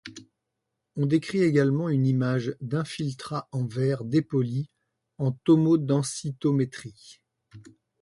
On décrit également une image d'infiltrat en verre dépoli en tomodensitométrie.